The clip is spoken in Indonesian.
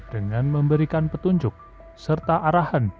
dengan memberikan petunjuk serta arahan